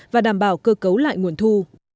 và đảm bảo cơ cấu lại nguồn thu